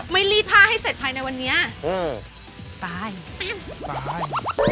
รีดผ้าให้เสร็จภายในวันนี้ตายตาย